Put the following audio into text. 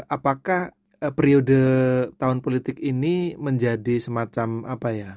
apakah periode tahun politik ini menjadi semacam apa ya